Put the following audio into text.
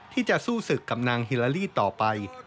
ที่จะสู้ศึกกับนางฮิลาลีต่อไป